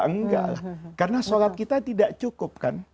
enggak karena sholat kita tidak cukup